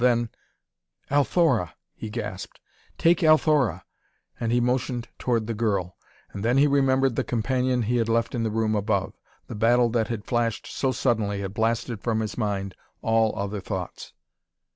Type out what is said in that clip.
Then "Althora," he gasped; "take Althora!" and he motioned toward the girl. And then he remembered the companion he had left in the room above. The battle that had flashed so suddenly had blasted from his mind all other thoughts.